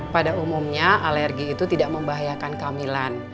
pada umumnya alergi itu tidak membahayakan kehamilan